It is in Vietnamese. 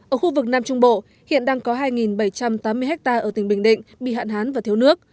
ở khu vực nam trung bộ hiện đang có hai bảy trăm tám mươi ha ở tỉnh bình định bị hạn hán và thiếu nước